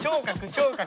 聴覚！